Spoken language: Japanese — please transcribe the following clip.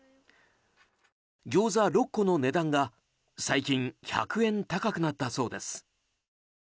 ギョーザ６個の値段が最近１００円高くなったそうです。